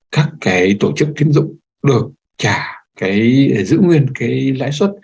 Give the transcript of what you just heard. các cái tổ chức tiêm dụng được trả cái giữ nguyên cái lãi suất